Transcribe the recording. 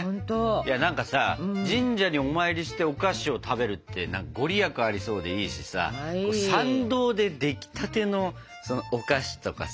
神社にお参りしてお菓子を食べるって何か御利益ありそうでいいしさ参道でできたてのお菓子とかさ食べるのいいよね。